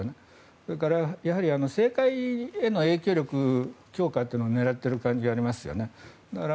それから政界への影響力強化というのを狙っている感じがありますよね。